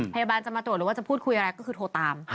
พยาบาลจะมาตรวจหรือว่าจะพูดคุยอะไรก็คือโทรตาม